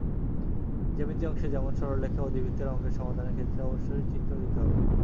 জ্যামিতি অংশে যেমন—সরলরেখা, অধিবৃত্তের অঙ্কের সমাধানের ক্ষেত্রে অবশ্যই চিত্র দিতে হবে।